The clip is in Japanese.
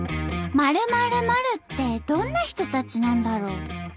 ○○○ってどんな人たちなんだろう？